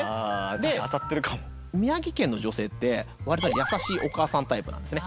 で宮城県の女性って割と優しいお母さんタイプなんですね。